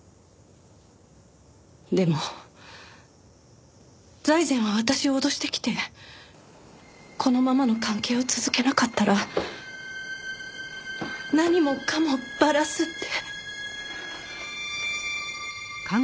でも財前は私を脅してきてこのままの関係を続けなかったら何もかもばらすって。